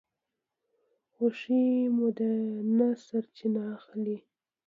خوښي مو ده نه سرچینه اخلي